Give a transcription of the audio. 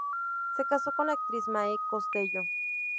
Se casó con la actriz Mae Costello.